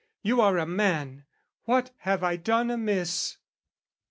"You are a man: what have I done amiss?"